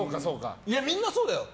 みんなそうだよ。